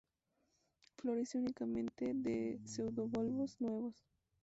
Florece únicamente de pseudobulbos nuevos.